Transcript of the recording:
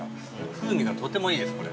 風味がとてもいいです、これ。